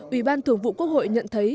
ủy ban thượng vụ quốc hội nhận thấy